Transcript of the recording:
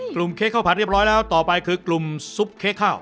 เค้กข้าวผัดเรียบร้อยแล้วต่อไปคือกลุ่มซุปเค้กข้าว